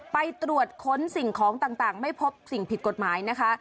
ไปตรวจค้นสิ่งของต่างไม่พบสิ่งผิดกฎหมายนะคะ